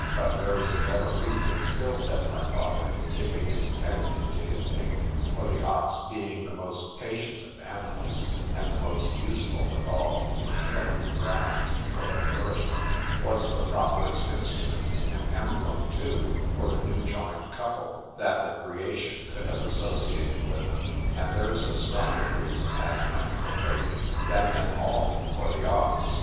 —But there is a better reason still, said my father (dipping his pen into his ink); for the ox being the most patient of animals, and the most useful withal in tilling the ground for their nourishment,—was the properest instrument, and emblem too, for the new joined couple, that the creation could have associated with them.—And there is a stronger reason, added my uncle Toby, than them all for the ox.